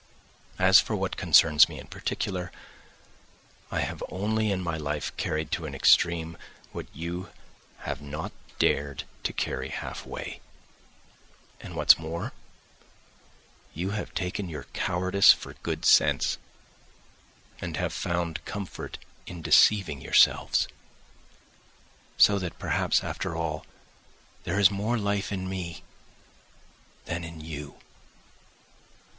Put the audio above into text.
As for what concerns me in particular I have only in my life carried to an extreme what you have not dared to carry halfway, and what's more, you have taken your cowardice for good sense, and have found comfort in deceiving yourselves. So that perhaps, after all, there is more life in me than in you.